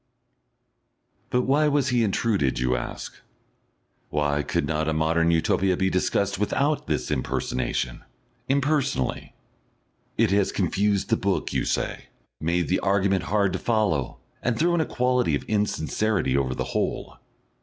But why was he intruded? you ask. Why could not a modern Utopia be discussed without this impersonation impersonally? It has confused the book, you say, made the argument hard to follow, and thrown a quality of insincerity over the whole.